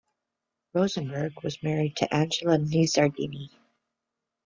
Rosenberg was married to Angela Nizzardini.